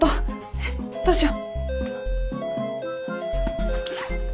えっどうしよ。